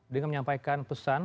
dengan menyampaikan pesan